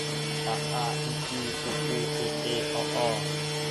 อะ อา อิ อี อุ อู เอะ เอ เอาะ ออ